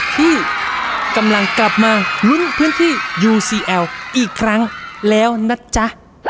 ที่กำลังกลับมาลุ้นพื้นที่ยูซีแอลอีกครั้งแล้วนะจ๊ะ